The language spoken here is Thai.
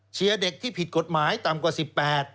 เด็กที่ผิดกฎหมายต่ำกว่า๑๘